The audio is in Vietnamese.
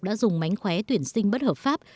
đã dùng mánh khóe tuyển sinh bất hợp pháp